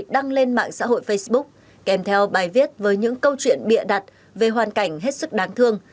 đăng lên mạng xã hội facebook kèm theo bài viết với những câu chuyện bịa đặt về hoàn cảnh hết sức đáng thương